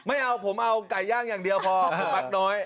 ไม่เอาผมเอาไก่ย่างอย่างเดียวน้อย